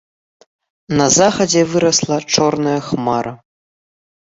На захадзе вырасла чорная хмара.